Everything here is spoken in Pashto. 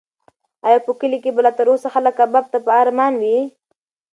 ایا په کلي کې به لا تر اوسه خلک کباب ته په ارمان وي؟